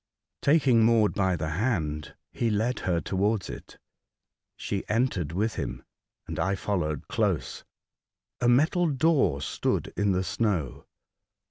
Taking Maud by the hand, he led her towards it. She entered with him, and I followed close. A metal door stood in the snow.